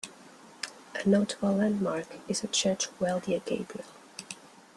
A notable landmark is a church Weldiya Gebri'el.